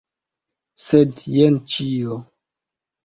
Sed jen ĉio.